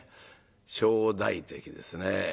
正代関ですね。